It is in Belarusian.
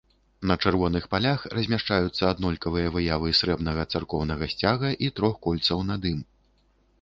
На чырвоных палях размяшчаюцца аднолькавыя выявы срэбнага царкоўнага сцяга і трох кольцаў над ім.